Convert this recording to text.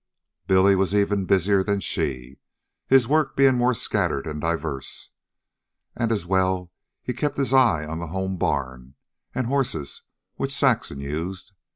Billy was even busier than she, his work being more scattered and diverse. And, as well, he kept his eye on the home barn and horses which Saxon used.